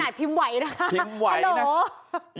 นี่ขนาดพิมพ์ไหวนะคะ